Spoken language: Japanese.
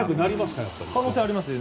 可能性はあります。